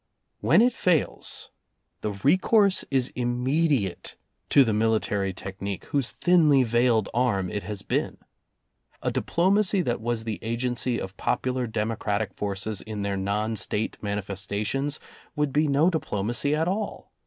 When it fails, the recourse is immediate to the military technique whose thinly veiled arm it has been. A diplomacy that was the agency of popular demo cratic forces in their non State manifestations would be no diplomacy at all.